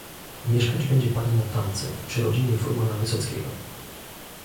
"Mieszkać będzie pani na Tamce, przy rodzinie furmana Wysockiego."